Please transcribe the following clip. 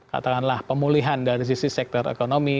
katakanlah pemulihan dari sisi sektor ekonomi